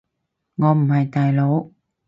我唔係大佬